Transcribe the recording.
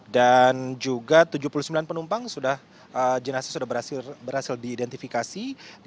dan juga tujuh puluh sembilan penumpang jenazah sudah berhasil diidentifikasi